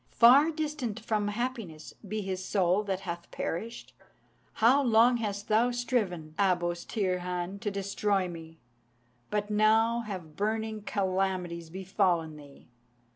Far distant from happiness be his soul that hath perished. How long hast thou striven, Abos Tirhán, to destroy me! But now have burning calamities befallen thee.